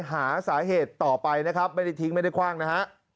หาสาเหตุต่อไปนะครับไม่ได้ทิ้งไม่ได้คว่างนะฮะ